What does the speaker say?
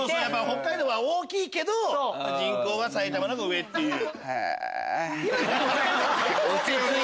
北海道は大きいけど人口は埼玉のほうが上っていう。